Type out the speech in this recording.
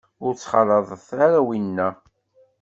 Ur ttxalaḍet ara winna.